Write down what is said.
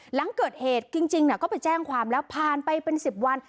หลังเกิดเหตุจริงก็ไปแจ้งความแล้วผ่านไปเป็น๑๐วัน